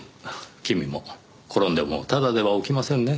君も転んでもただでは起きませんね。